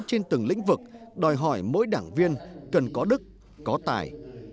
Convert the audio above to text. trên từng lĩnh vực đòi hỏi mỗi đảng viên cần có đức có tài